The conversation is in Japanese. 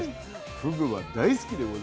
ふぐは大好きでございますね。